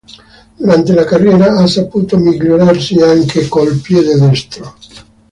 Durante la carriera ha saputo migliorarsi anche col piede destro.